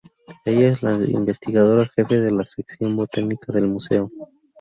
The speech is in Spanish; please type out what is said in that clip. Ella es la investigadora Jefe de la Sección Botánica del Museo.